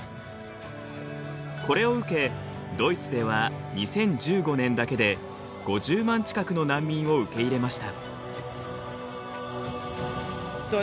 これを受けドイツでは２０１５年だけで５０万近くの難民を受け入れました。